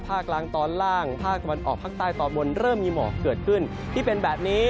กลางตอนล่างภาคตะวันออกภาคใต้ตอนบนเริ่มมีหมอกเกิดขึ้นที่เป็นแบบนี้